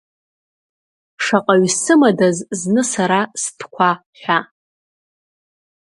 Шаҟаҩ сымадаз зны сара стәқәа ҳәа!